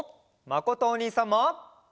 まことおにいさんも。